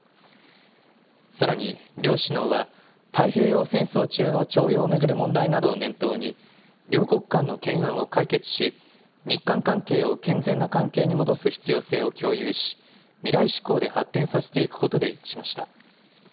さらに、両首脳は太平洋戦争中の徴用を巡る問題などを念頭に、両国間の懸案を解決し、日韓関係を健全な関係に戻す必要性を共有し、未来志向で発展させていくことで一致しました。